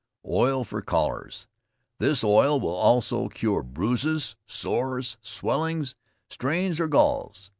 OIL FOR COLLARS. This oil will also cure bruises, sores, swellings, strains or galls.